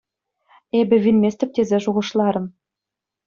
Эпӗ вилместӗп тесе шухӑшларӑм.